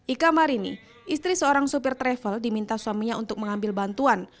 ika marini istri seorang supir travel diminta suaminya untuk mengambil bantuan